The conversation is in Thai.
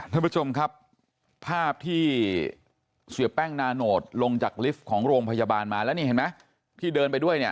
ท่านผู้ชมครับภาพที่เสียแป้งนาโนตลงจากลิฟต์ของโรงพยาบาลมาแล้วนี่เห็นไหมที่เดินไปด้วยเนี่ย